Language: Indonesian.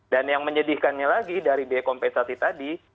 dan yang menyedihkannya lagi dari biaya kompensasi tadi